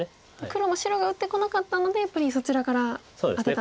黒も白が打ってこなかったのでやっぱりそちらからアテたんですね。